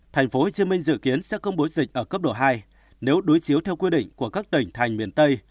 tp hcm dự kiến sẽ công bố dịch ở cấp độ hai nếu đối chiếu theo quy định của các tỉnh thành miền tây